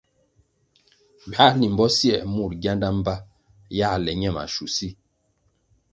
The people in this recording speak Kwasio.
Ywãh limbo sier mur gianda mbpa yãh le ñe maschusi.